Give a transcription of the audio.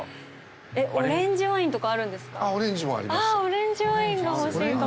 オレンジワインが欲しいかも。